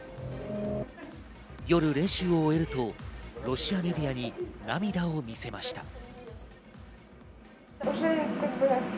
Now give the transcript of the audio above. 夜、練習を終えるとロシアメディアに涙を見せました。